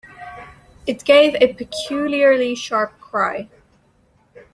It gave a peculiarly sharp cry.